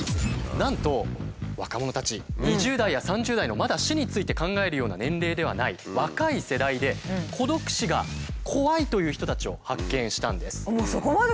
なんと若者たち２０代や３０代のまだ死について考えるような年齢ではない若い世代で孤独死が怖いという人たちを発見したんです。